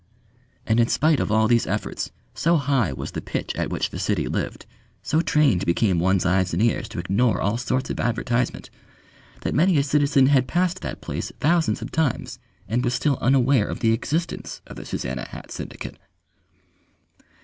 And spite of all these efforts so high was the pitch at which the city lived, so trained became one's eyes and ears to ignore all sorts of advertisement, that many a citizen had passed that place thousands of times and was still unaware of the existence of the Suzannah Hat Syndicate.